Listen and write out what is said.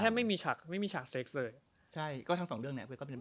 คือเค้าแทบไม่มีฉากเสกซ์เลยใช่ทั้งสองเรื่องเนี่ย